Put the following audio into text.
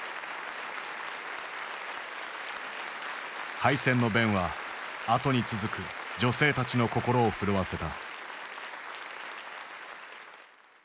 敗戦の弁は後に続く女性たちの心を震わせた。